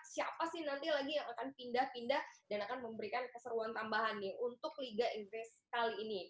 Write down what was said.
siapa sih nanti lagi yang akan pindah pindah dan akan memberikan keseruan tambahan nih untuk liga inggris kali ini